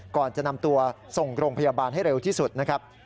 ก่อนจะนำตัวส่งโรงพยาบาลให้เร็วที่สุดนะครับ